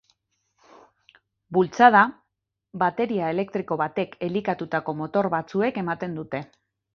Bultzada, bateria elektriko batek elikatutako motor batzuek ematen dute.